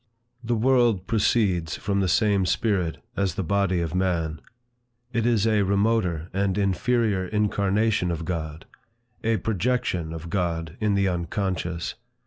The world proceeds from the same spirit as the body of man. It is a remoter and inferior incarnation of God, a projection of God in the unconscious.